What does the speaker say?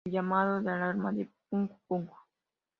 El llamado de alarma es "puk-puk-puk".